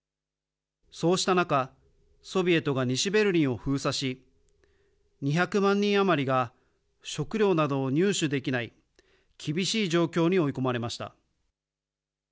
そうした中、ソビエトが西ベルリンを封鎖し、２００万人余りが食料などを入手できない厳しい状況に追い込まれました。